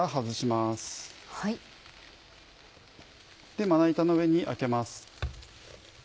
まな板の上にあけます。